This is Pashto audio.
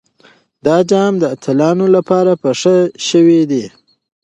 دا جام د اتلانو لپاره په نښه شوی دی.